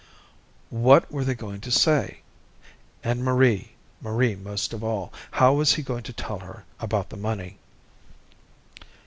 What were they going to say? And Marie, Marie most of all. How was he going to tell her about the money?